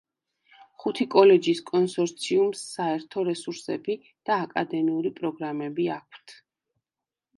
ხუთი კოლეჯის კონსორციუმს საერთო რესურსები და აკადემიური პროგრამები აქვთ.